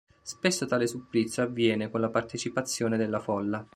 Spesso tale supplizio avviene con la partecipazione della folla.